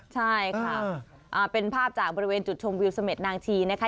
ใช่ค่ะเป็นภาพจากบริเวณจุดชมวิวเสม็ดนางชีนะคะ